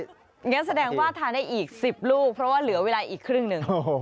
งั้นแสดงว่าทานได้อีก๑๐ลูกเพราะว่าเหลือเวลาอีกครึ่งหนึ่ง